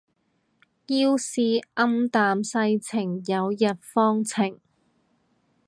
要是暗淡世情有日放晴